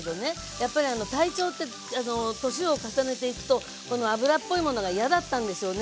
やっぱり体調って年を重ねていくとこの油っぽいものが嫌だったんでしょうね。